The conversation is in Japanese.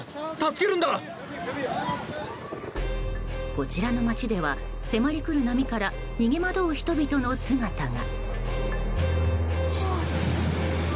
こちらの街では迫りくる波から逃げ惑う人々の姿が。